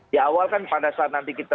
di awal kan pada saat nanti kita